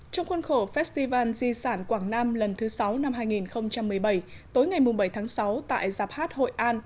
trong khuôn khổ festival di sản quảng nam lần thứ sáu năm hai nghìn một mươi bảy tối ngày bảy tháng sáu tại giạp hát hội an